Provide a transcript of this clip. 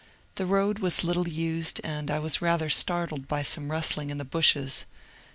The road was little used, and I was rather startled by some rustling in the bushes.